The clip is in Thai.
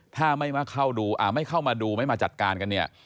ถ้าไม่เข้าดูไม่เข้ามาดูไม่มาจัดการกันเนี่ย